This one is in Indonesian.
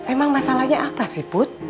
emang masalahnya apa sih put